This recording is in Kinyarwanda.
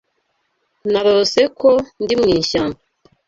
Narose ko ndi mwishyamba.